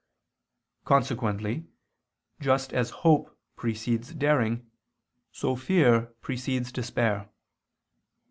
Consequently just as hope precedes daring, so fear precedes despair.